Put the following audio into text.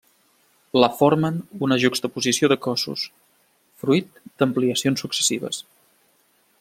La formen una juxtaposició de cossos, fruit d'ampliacions successives.